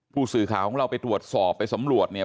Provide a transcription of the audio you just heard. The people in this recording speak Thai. ผู้สื่อข่าวของเราไปตรวจสอบไปสำรวจเนี่ย